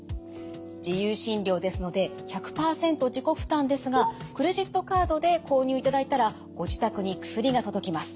「自由診療ですので１００％自己負担ですがクレジットカードで購入いただいたらご自宅に薬が届きます。